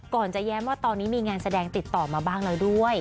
ก่อนจะแย้มว่าตอนนี้มีงานแสดงติดต่อมาบ้างแล้วด้วย